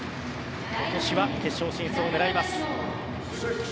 今年は決勝進出を狙います。